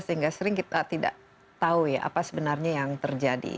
sehingga sering kita tidak tahu ya apa sebenarnya yang terjadi